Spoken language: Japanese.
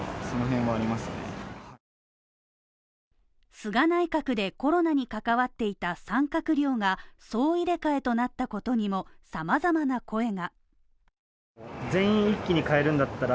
菅内閣でコロナに関わっていた３閣僚が総入れ替えとなったことにも様々な声が。